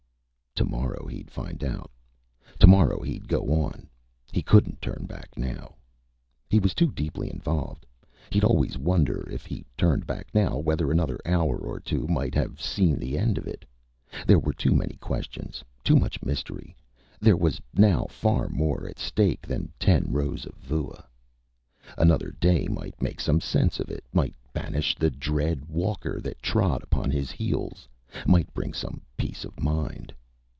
Tomorrow he'd find out. Tomorrow he'd go on. He couldn't turn back now. He was too deeply involved. He'd always wonder, if he turned back now, whether another hour or two might not have seen the end of it. There were too many questions, too much mystery there was now far more at stake than ten rows of vua. Another day might make some sense of it, might banish the dread walker that trod upon his heels, might bring some peace of mind.